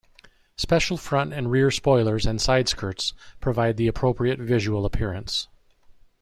Special front and rear spoilers and side skirts provide the appropriate visual appearance.